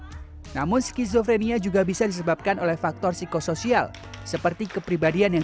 namun skizofrenia juga bisa disebabkan oleh faktor psikosoial seperti kepribadian yang